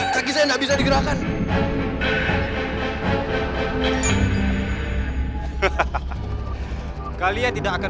serangga bahkan diserang oleh mbak apan